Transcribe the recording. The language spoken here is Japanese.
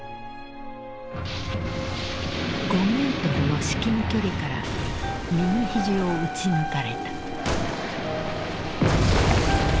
５ｍの至近距離から右肘を撃ち抜かれた。